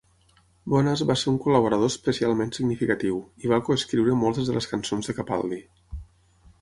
Bonas va ser un col·laborador especialment significatiu, i va co-escriure moltes de les cançons de Capaldi.